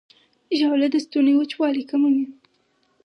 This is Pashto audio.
ژاوله د ستوني وچوالی کموي.